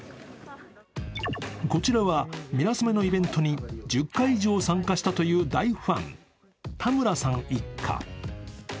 こちらはミラソメのイベントに１０回以上参加したという大ファン、田村さん一家。